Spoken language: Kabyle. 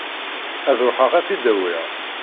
Ad ruḥeɣ ad t-id-awiɣ.